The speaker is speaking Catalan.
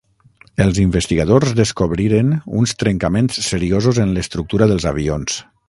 Els investigadors descobriren uns trencaments seriosos en l'estructura dels avions.